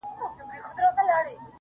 هغه له عرش څخه د هيچا ننداره نه کوي~